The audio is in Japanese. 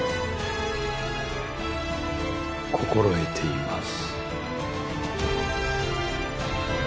心得ています。